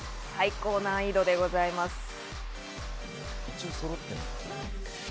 最高難易度でございます。